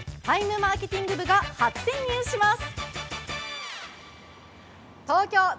マーケティング部が初潜入します。